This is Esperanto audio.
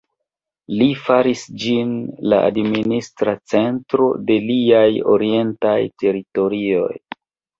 Li faris ĝin la administra centro de liaj orientaj teritorioj.